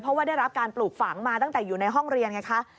เพราะว่าได้รับการปลูกฝังมาตั้งแต่อยู่ในห้องเรียนไงคะ